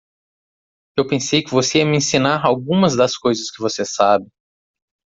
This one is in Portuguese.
Eu pensei que você ia me ensinar algumas das coisas que você sabe.